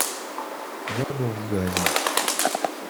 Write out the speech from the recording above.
Я был в Газе.